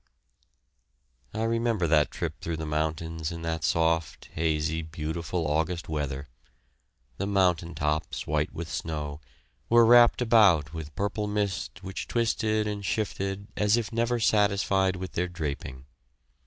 I remember that trip through the mountains in that soft, hazy, beautiful August weather; the mountain tops, white with snow, were wrapped about with purple mist which twisted and shifted as if never satisfied with their draping.